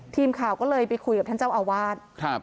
ทีมข่าวก็เลยไปคุยกับท่านเจ้าอาวาส